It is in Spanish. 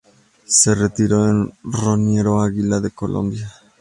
Se retiró en Rionegro Águilas de Colombia.